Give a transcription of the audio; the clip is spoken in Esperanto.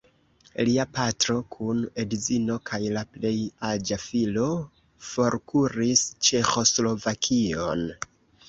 Lia patro kun edzino kaj la plej aĝa filo forkuris Ĉeĥoslovakion.